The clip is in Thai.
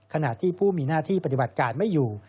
ขณะที่ผู้มีหน้าที่ปฏิบัติการไม่อยู่